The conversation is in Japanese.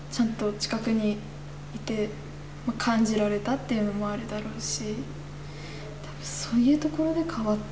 っていうのもあるだろうし。